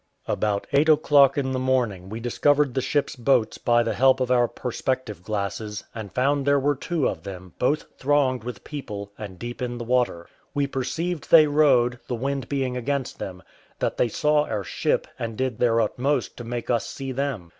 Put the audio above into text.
About eight o'clock in the morning we discovered the ship's boats by the help of our perspective glasses, and found there were two of them, both thronged with people, and deep in the water. We perceived they rowed, the wind being against them; that they saw our ship, and did their utmost to make us see them.